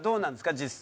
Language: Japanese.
実際。